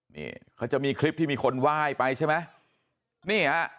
นี่เขาจะมีคลิปที่มีคนไหว้ไปใช่ไหมนี่ฮะ